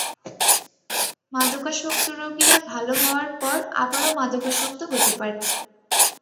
মাদকাসক্ত রোগীরা ভালো হওয়ার পর আবারও মাদকাসক্ত হতে পারে।